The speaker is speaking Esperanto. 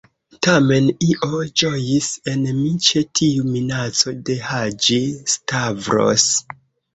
Tamen, io ĝojis en mi ĉe tiu minaco de Haĝi-Stavros.